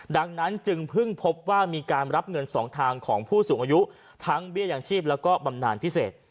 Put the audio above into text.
ดังนั้นจึงเพิ่งพบว่ามีการรับเงินสองทางของผู้สูงอายุทั้งเบี้ยอย่างชีพแล้วก็บำนานพิเศษ